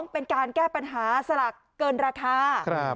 เป็นการแก้ปัญหาสลักเกินราคา